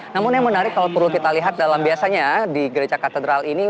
namun yang menarik kalau perlu kita lihat dalam biasanya di gereja katedral ini